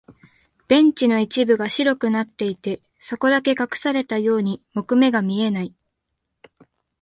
ベンチの一部が白くなっていて、そこだけ隠されたように木目が見えない。